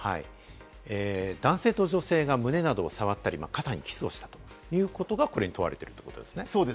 男性と女性が胸などを触ったり、肩にキスをしたということがこれに問われてるんですね。